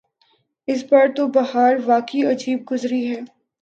اس بار تو بہار واقعی عجیب گزری ہے۔